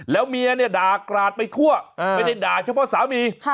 แล้วเมียเนี่ยด่ากราดไปทั่วไม่ได้ด่าเฉพาะสามี